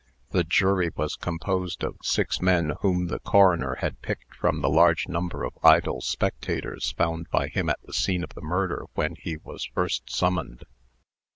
The jury was composed of six men whom the coroner had picked from the large number of idle spectators found by him at the scene of the murder when he was first summoned.